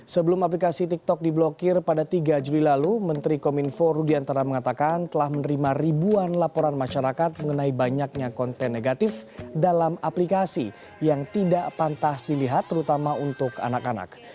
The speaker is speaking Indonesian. sebelum aplikasi tiktok diblokir pada tiga juli lalu menteri kominfo rudiantara mengatakan telah menerima ribuan laporan masyarakat mengenai banyaknya konten negatif dalam aplikasi yang tidak pantas dilihat terutama untuk anak anak